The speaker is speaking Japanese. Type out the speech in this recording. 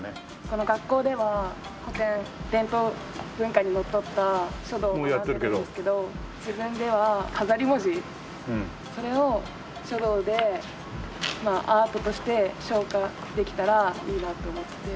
この学校では古典伝統文化にのっとった書道を学んでいるんですけど自分では飾り文字それを書道でアートとして昇華できたらいいなと思って。